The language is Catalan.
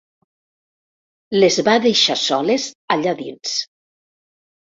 Les va deixar soles allà dins!